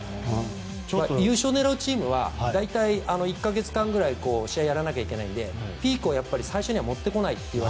優勝狙うチームは大体１か月間くらい試合をやらなきゃいけないのでピークを最初に持ってこない。